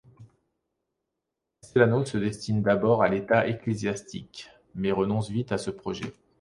Castellano se destine d'abord à l'état ecclésiastique, mais renonce vite à ce projet.